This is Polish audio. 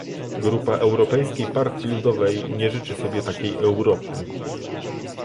Grupa Europejskiej Partii Ludowej nie życzy sobie takiej Europy